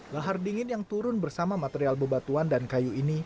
lahar dingin yang turun bersama material bebatuan dan kayu ini